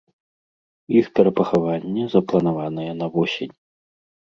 Іх перапахаванне запланаванае на восень.